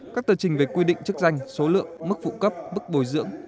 các tờ trình về quy định chức danh số lượng mức phụ cấp bức bồi dưỡng